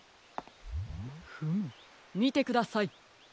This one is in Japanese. フムみてください。